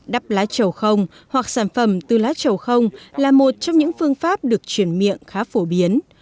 đắp lá chầu không hoặc sản phẩm từ lá trầu không là một trong những phương pháp được chuyển miệng khá phổ biến